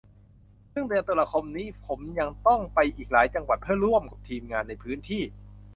ซึ่งเดือนตุลาคมนี้ผมยังต้องไปอีกหลายจังหวัด เพื่อร่วมกับทีมงานในพื้นที่